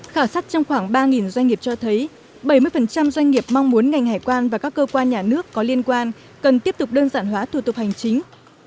khảo sát trong khoảng ba doanh nghiệp cho thấy bảy mươi doanh nghiệp mong muốn ngành hải quan và các cơ quan nhà nước có liên quan cần tiếp tục đơn giản hóa thủ tục hành chính